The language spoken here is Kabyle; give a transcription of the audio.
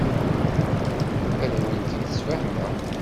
Ad awen-t-id-sfehmeɣ.